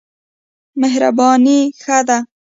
مهرباني ښه ده.